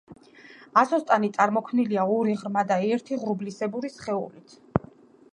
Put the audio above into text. ასოს ტანი წარმოქმნილია ორი ღრმა და ერთი ღრუბლისებრი სხეულით.